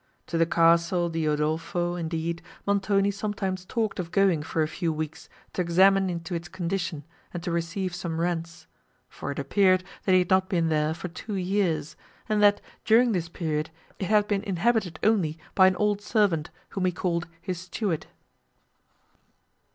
To the castle di Udolpho, indeed, Montoni sometimes talked of going for a few weeks to examine into its condition, and to receive some rents; for it appeared that he had not been there for two years, and that, during this period, it had been inhabited only by an old servant, whom he called his steward.